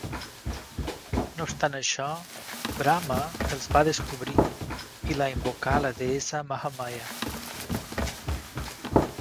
No obstant això, Brahma els va descobrir i la invocar la deessa Mahamaya.